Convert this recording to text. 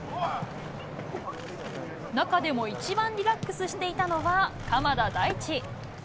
中でも一番リラックスしていたのは鎌田大地。